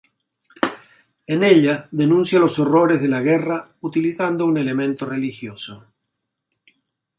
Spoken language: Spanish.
En ella denuncia los horrores de la guerra utilizando un elemento religioso.